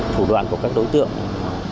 thủ đoạn của các đối tượng